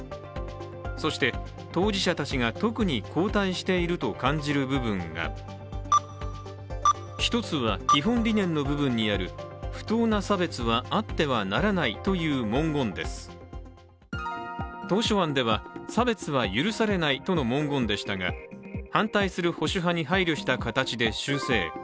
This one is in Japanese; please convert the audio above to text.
そして当事者たちが、特に後退していると感じる部分が１つは、基本理念の部分にある不当な差別はあってはならないという文言です当初案では、差別は許されないとの文言でしたが反対する保守派に配慮した形で修正。